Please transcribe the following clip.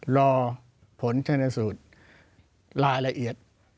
รอผลชนสูตรรายละเอียด